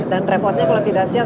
dan repotnya kalau tidak siap